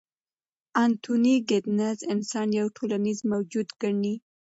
انتوني ګیدنز انسان یو ټولنیز موجود ګڼي.